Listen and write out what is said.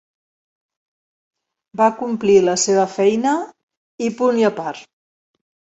Va complir la seva feina… i punt i a part.